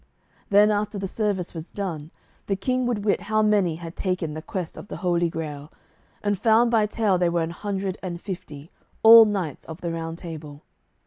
Then after the service was done, the King would wit how many had taken the quest of the Holy Grail, and found by tale there were an hundred and fifty, all knights of the Round Table.